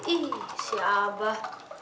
ih si abah